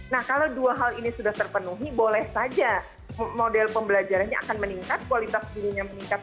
nah kalau dua hal ini sudah terpenuhi boleh saja model pembelajarannya akan meningkat kualitas gurunya meningkat